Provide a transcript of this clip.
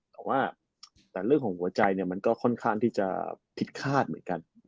แต่ว่าเรื่องของหัวใจมันก็ค่อนข้างที่จะพิษภาษณ์เหมือนกัน